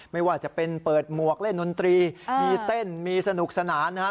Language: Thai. ไม่ว่าจะเป็นเปิดหมวกเล่นดนตรีมีเต้นมีสนุกสนานนะครับ